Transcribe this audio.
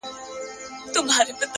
د ژمنتیا ځواک هدفونه ژوندۍ ساتي،